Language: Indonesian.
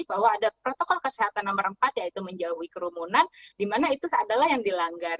bahwa ada protokol kesehatan nomor empat yaitu menjauhi kerumunan di mana itu adalah yang dilanggar